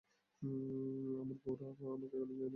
আমার গৌর, ওরা তোমাকে গালি দেয় কেন গো।